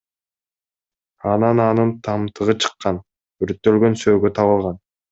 Анан анын тамтыгы чыккан, өрттөлгөн сөөгү табылган.